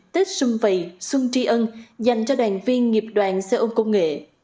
tết xuân vầy xuân tri ân dành cho đoàn viên nghiệp đoàn sở ôm công nghệ